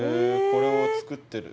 これを作ってる。